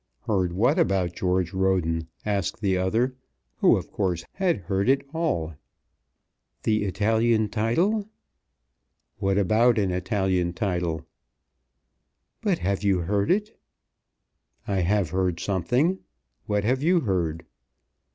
"Heard what about George Roden?" asked the other, who, of course, had heard it all. "The Italian title." "What about an Italian title?" "But have you heard it?" "I have heard something. What have you heard?"